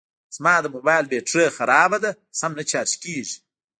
زما د موبایل بېټري خرابه ده سم نه چارج کېږي